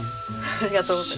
ありがとうございます。